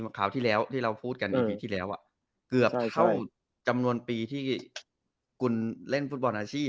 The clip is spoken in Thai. เกือบเท่าจำนวนปีที่กุลเล่นฟุตบอลอาชีพ